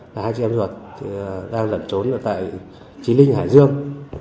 là hai chị em ruột đang lẩn trốn ở tại chí linh hải dương